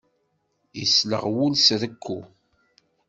Yesleɣ wul s rekku.